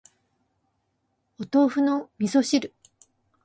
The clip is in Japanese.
お豆腐の味噌汁